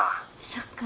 そっか。